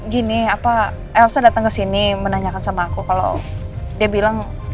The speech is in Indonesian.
gini apa elsa datang ke sini menanyakan sama aku kalau dia bilang